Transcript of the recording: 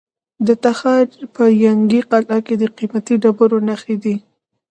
د تخار په ینګي قلعه کې د قیمتي ډبرو نښې دي.